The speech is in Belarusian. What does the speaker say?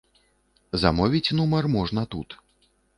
Замовіць нумар можна тут.